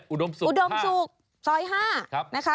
อุดมสุกซอย๕